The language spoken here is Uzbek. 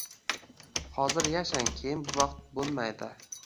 Hozir yashang, keyin bu vaqt bo'lmaydi.